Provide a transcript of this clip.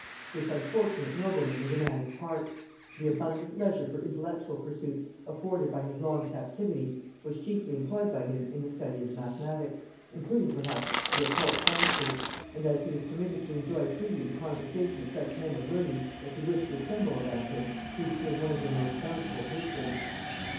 This unfortunate nobleman was a man of parts: the abundant leisure for intellectual pursuits afforded by his long captivity was chiefly employed by him in the study of the mathematics, including perhaps the occult sciences; and as he was permitted to enjoy freely the conversation of such men of learning as he wished to assemble around him, he became one of their most bountiful patrons.